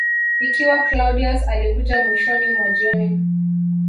Ikiwa Claudius alikuja mwishoni mwa jioni